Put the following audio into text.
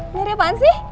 nyari apaan sih